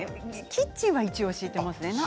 キッチンは一応、敷いてますね